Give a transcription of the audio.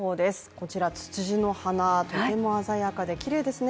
こちら、ツツジの花、とても鮮やかできれいですね。